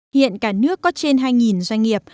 hiện cả nước có trên hai doanh nghiệp